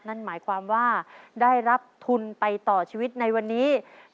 นั่นหมายความว่าได้รับทุนไปต่อชีวิตในวันนี้